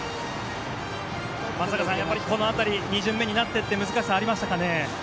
松坂さんこの辺り２巡目になって難しさありましたかね。